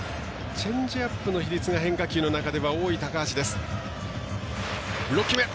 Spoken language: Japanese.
チェンジアップの比率が変化球の中では多い高橋です。